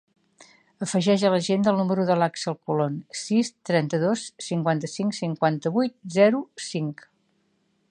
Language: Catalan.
Afegeix a l'agenda el número de l'Àxel Colon: sis, trenta-dos, cinquanta-cinc, cinquanta-vuit, zero, cinc.